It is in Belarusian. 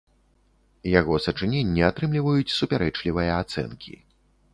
Яго сачыненні атрымліваюць супярэчлівыя ацэнкі.